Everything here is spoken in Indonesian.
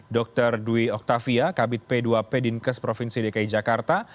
dr dwi oktavia kabit p dua p dinkes provinsi dki jakarta